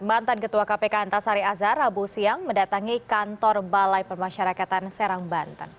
mantan ketua kpk antasari azhar rabu siang mendatangi kantor balai pemasyarakatan serang banten